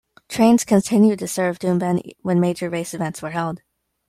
Trains continued to serve Doomben when major race events were held.